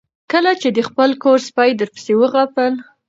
کله چې د خپل کور سپي درپسې وغپل